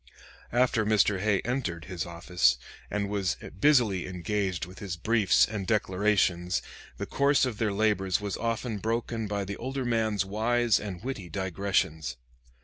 After Mr. Hay entered his office, and was busily engaged with his briefs and declarations, the course of their labors was often broken by the older man's wise and witty digressions.